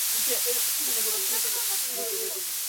They have four children together.